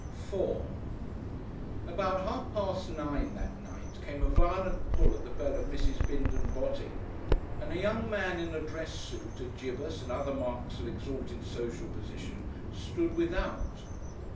§4 About half past nine that night came a violent pull at the bell of Mrs. Bindon Botting, and a young man in a dress suit, a gibus and other marks of exalted social position stood without.